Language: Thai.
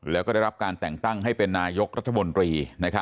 แล้วก็ได้รับการแต่งตั้งให้เป็นนายกรัฐมนตรี